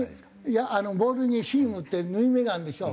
ボールにシームって縫い目があるでしょ？